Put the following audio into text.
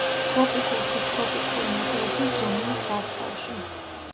ტროპიკულ, სუბტროპიკულ, ნაწილობრივ ზომიერ სარტყელში.